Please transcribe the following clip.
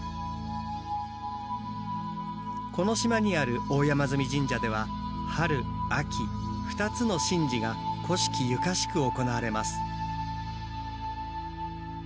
この島にある大山神社では春・秋２つの神事が古式ゆかしく行われます。